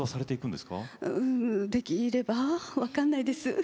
できれば分かんないです。